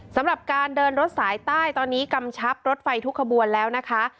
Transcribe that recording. สำหรับการเดินรถสายใต้ตอนนี้กำชับรถไฟทุกขบวนแล้วนะคะ